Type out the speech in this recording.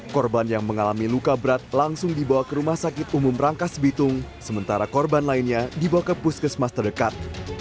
korban yang mengalami luka berat langsung dibawa ke rumah sakit umum rangkas bitung sementara korban lainnya dibawa ke puskesmas terdekat